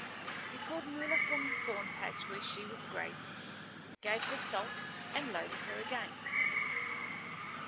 He called Mula from the thorn patch where she was grazing, gave her salt and loaded her again.